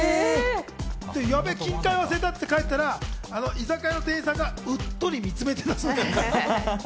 やべぇ、金塊忘れたって帰ったら居酒屋の店員さんがうっとり見つめていたって。